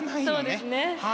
そうですね。